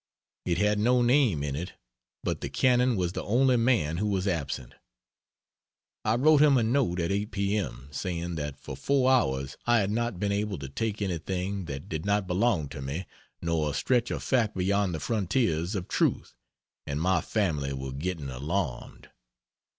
It had no name in it, but the Canon was the only man who was absent. I wrote him a note at 8 p.m.; saying that for four hours I had not been able to take anything that did not belong to me, nor stretch a fact beyond the frontiers of truth, and my family were getting alarmed.